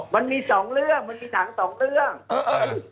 มันมีสองเรื่องมันมีหนังสองเรื่องเออ